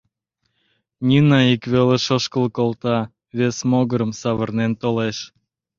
Нина ик велыш ошкыл колта, вес могырым савырнен толеш.